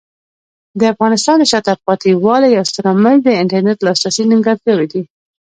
د افغانستان د شاته پاتې والي یو ستر عامل د انټرنیټ لاسرسي نیمګړتیاوې دي.